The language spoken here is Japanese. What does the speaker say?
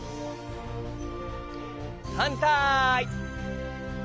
はんたい。